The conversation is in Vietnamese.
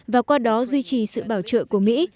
và qua đó duy trì sự bảo trợ của mỹ